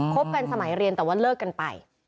บกันสมัยเรียนแต่ว่าเลิกกันไป